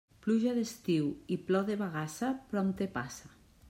Pluja d'estiu i plor de bagassa, prompte passa.